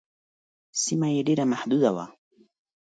سیمه یې ډېره محدوده وه.